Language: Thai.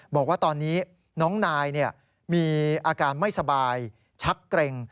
บอกว่าตอนนี้น้องนายมีอาการไม่สบายชักเกร็ง